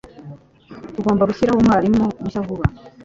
Tugomba gushyiraho umwarimu mushya vuba.